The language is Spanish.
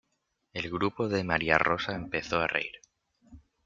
El grupo de Maria Rosa empezó a reír.